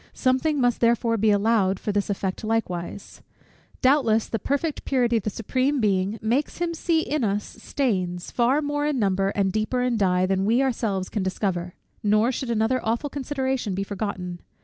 Something must therefore be allowed for this effect likewise. Doubtless, the perfect purity of the Supreme Being makes him see in us stains, far more in number and deeper in dye; than we ourselves can discover. Nor should another awful consideration be forgotten.